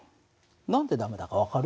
何で駄目だか分かる？